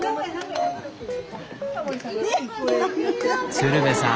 鶴瓶さん